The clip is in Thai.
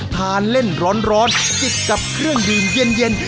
ทานเล่นร้อนจิกกับเครื่องดื่มเย็น